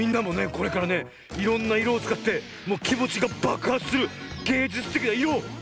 これからねいろんないろをつかってもうきもちがばくはつするげいじゅつてきないろをつくってみてくれ！